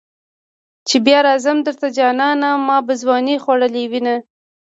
چې بیا راځم درته جانانه ما به ځوانی خوړلې وینه.